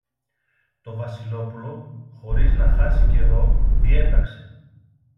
Το Βασιλόπουλο, χωρίς να χάσει καιρό, διέταξε